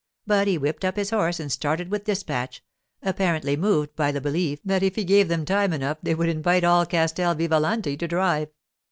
But he whipped up his horse and started with dispatch, apparently moved by the belief that if he gave them time enough they would invite all Castel Vivalanti to drive.